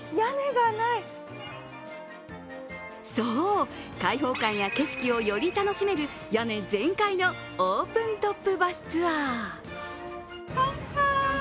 そう、開放感や景色をより楽しめる屋根全開のオープントップバスツアー。